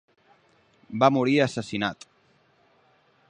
Va morir assassinat.